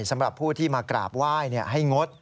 สำหรับผู้ที่มากราบไหว้ให้งด